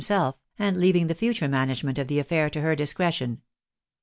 211 liimself, and leaving the future management of the affair to her discretion.